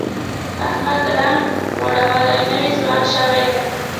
احمد رنګ غوړولی، نوی ځوان شوی دی.